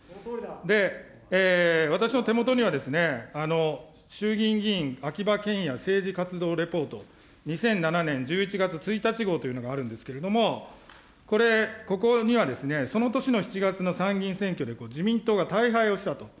で、私の手元にはですね、衆議院議員、秋葉賢也政治活動レポート２００７年１１月１日号というのがあるんですけれども、これ、ここにはですね、その年の７月の参議院選挙で、自民党が大敗をしたと。